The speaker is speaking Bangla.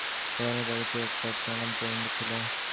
পুরোনো বাড়িতে কুমুদিনীর একটা প্রাণময় পরিমণ্ডল ছিল।